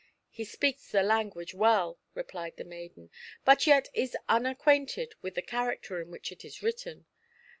" He speaks the language well,'* replied the maiden, "but yet is unacquainted with the character in which it is written.